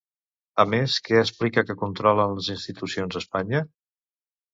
A més, què explica que controlen les institucions a Espanya?